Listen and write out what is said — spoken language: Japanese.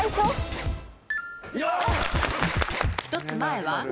１つ前は？